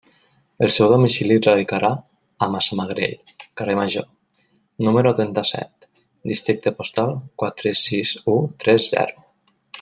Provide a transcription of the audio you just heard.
El seu domicili radicarà a Massamagrell, carrer Major, número trenta-set, districte postal quatre sis u tres zero.